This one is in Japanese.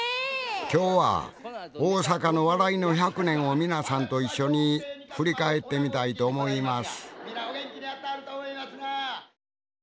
今日は大阪の笑いの１００年を皆さんと一緒に振り返ってみたいと思います